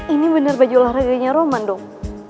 ini benar baju olahraganya roman dong